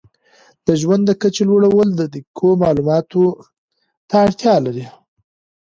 د ژوند د کچې لوړول دقیقو معلوماتو ته اړتیا لري.